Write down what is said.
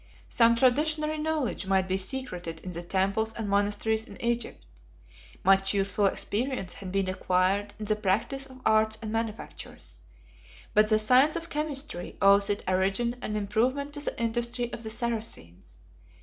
Some traditionary knowledge might be secreted in the temples and monasteries of Egypt; much useful experience had been acquired in the practice of arts and manufactures; but the science of chemistry owes its origin and improvement to the industry of the Saracens.